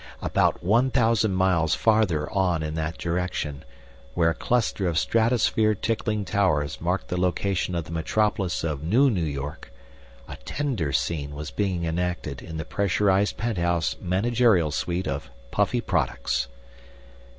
About one thousand miles farther on in that direction, where a cluster of stratosphere tickling towers marked the location of the metropolis of NewNew York, a tender scene was being enacted in the pressurized penthouse managerial suite of Puffy Products.